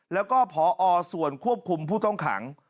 แล้วก็พอส่วนควบคุมผู้ต้องขัง